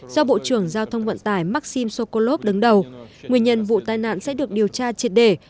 do bộ trưởng giao thông vận tải maxim sokolov đứng đầu nguyên nhân vụ tai nạn sẽ được điều tra triệt đề